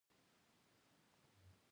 څوک چې په جوماتونو کې راڅرګندېږي.